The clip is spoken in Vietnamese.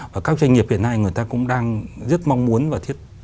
và các doanh nghiệp hiện nay người ta cũng đang rất mong muốn và thiết